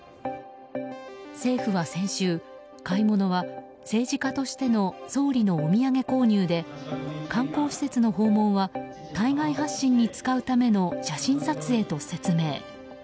政府は先週、買い物は政治家としての総理のお土産購入で観光施設の訪問は対外発信に使うための写真撮影と説明。